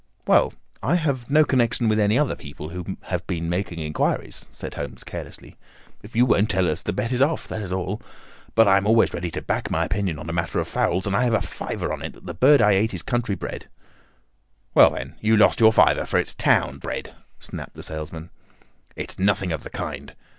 "Well, I have no connection with any other people who have been making inquiries," said Holmes carelessly. "If you won't tell us the bet is off, that is all. But I'm always ready to back my opinion on a matter of fowls, and I have a fiver on it that the bird I ate is country bred." "Well, then, you've lost your fiver, for it's town bred," snapped the salesman. "It's nothing of the kind."